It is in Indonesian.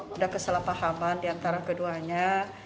sudah kesalahpahaman di antara keduanya